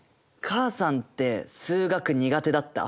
母さんって数学苦手だった？